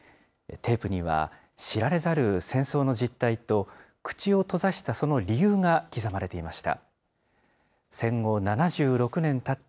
テープには、知られざる戦争の実態と、口を閉ざしたその理由が刻まれていました。